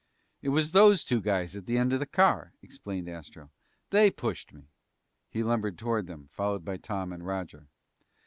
"It was those two guys at the end of the car," explained Astro. "They pushed me!" He lumbered toward them, followed by Tom and Roger.